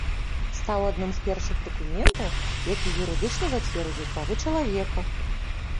Стаў адным з першых дакументаў, які юрыдычна зацвердзіў правы чалавека.